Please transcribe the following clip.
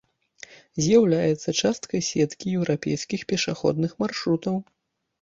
З'яўляецца часткай сеткі еўрапейскіх пешаходных маршрутаў.